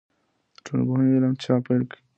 د ټولنپوهنې علم چا پیل کړ؟